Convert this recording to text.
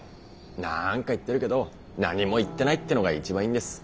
何か言ってるけど何も言ってないってのが一番いいんです。